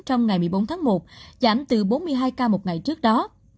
trong ngày một mươi bốn tháng một giảm từ bốn mươi hai ca một ngày trước đó